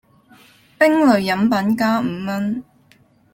冰類飲品加五文